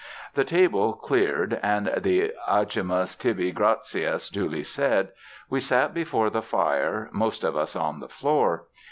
The table cleared and the "agimus tibi gratias" duly said, we sat before the fire, most of us on the floor.